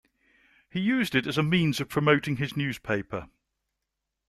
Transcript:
He used it as a means of promoting his newspaper.